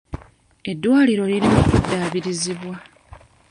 Eddwaliro liri mu kuddaabirizibwa.